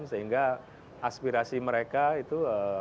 sehingga aspirasi mereka itu